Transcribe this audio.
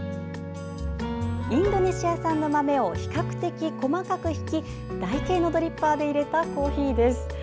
インドネシア産の豆を比較的細かくひき台形のドリッパーでいれたコーヒーです。